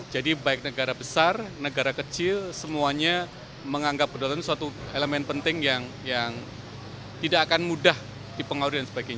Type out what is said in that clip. jadi baik negara besar negara kecil semuanya menganggap kedaulatan itu suatu elemen penting yang tidak akan mudah dipengaruhi dan sebagainya